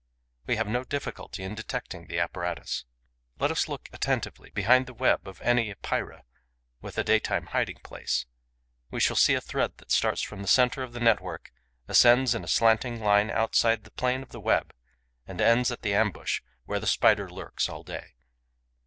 We have no difficulty in detecting the apparatus. Let us look attentively behind the web of any Epeira with a daytime hiding place: we shall see a thread that starts from the centre of the network, ascends in a slanting line outside the plane of the web and ends at the ambush where the Spider lurks all day.